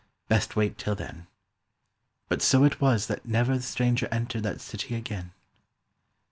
Best wait till then." But so it was that never the stranger entered That city again.